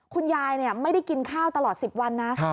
คุณยายไม่ได้กินข้าวตลอด๑๐วันนะ